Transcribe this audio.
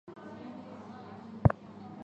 和英雄独眼龙及反派火神是手足关系。